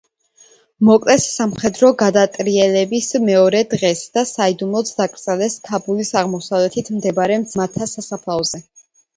მოკლეს სამხედრო გადატრიელების მეორე დღეს და საიდუმლოდ დაკრძალეს ქაბულის აღმოსავლეთით მდებარე ძმათა სასაფლაოზე.